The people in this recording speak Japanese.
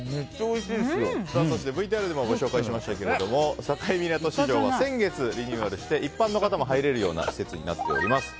そしてＶＴＲでもご紹介しましたが境港市場は先月リニューアルして一般の方も入れるような施設になっております。